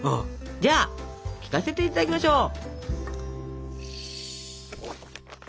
じゃあ聞かせていただきましょう！